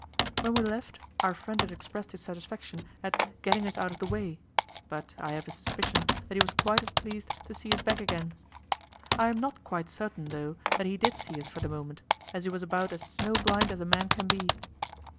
When we left, our friend had expressed his satisfaction at "getting us out of the way"; but I have a suspicion that he was quite as pleased to see us back again. I am not quite certain, though, that he did see us for the moment, as he was about as snow blind as a man can be.